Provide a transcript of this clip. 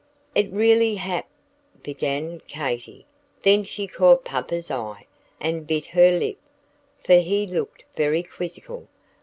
"It really hap " began Katy. Then she caught Papa's eye, and bit her lip, for he looked very quizzical.